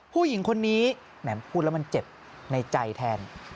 ผู้หญิงคนนี้แหมพูดแล้วมันเจ็บในใจแทน